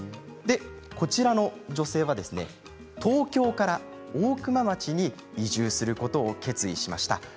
こちらの女性は東京から大熊町に移住することを決意しました。